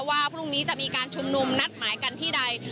ว่าพรุ่งนี้จะมีการชุมนุมนัดหมายกันที่ใด